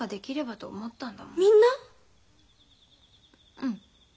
うん。